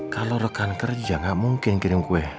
kalau rekan kerja nggak mungkin kirim kue